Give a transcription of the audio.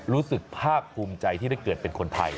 รู้สึกภาคภูมิใจที่ได้เกิดเป็นคนไทย